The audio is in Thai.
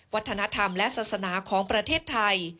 วัฒนธรรมและศาสนาของประเทศไทย